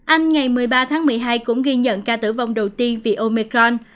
anh ngày một mươi ba tháng một mươi hai cũng ghi nhận ca tử vong đầu tiên vì omecron